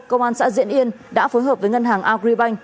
công an xã diễn yên đã phối hợp với ngân hàng agribank